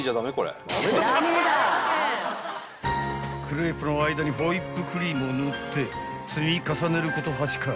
［クレープの間にホイップクリームを塗って積み重ねること８回］